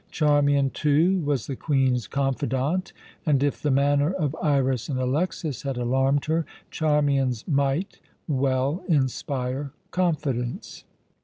Charmian, too, was the Queen's confidante; and if the manner of Iras and Alexas had alarmed her, Charmian's might well inspire confidence.